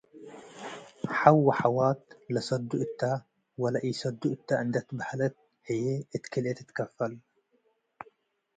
ሐው ወሐዋት ለሰዱ እተ ወለኢሰዱ እተ እንዴ ትበሀለት ህዬ እት ክልኤ ትትከፈል ።